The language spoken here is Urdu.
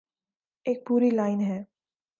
ایک پوری لائن ہے۔